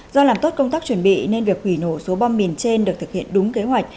do làm tốt công tác chuẩn bị nên việc hủy nổ số bom mìn trên được thực hiện đúng kế hoạch